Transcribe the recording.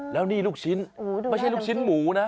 แล้วนี่ลูกชิ้นไม่ใช่ลูกชิ้นหมูนะ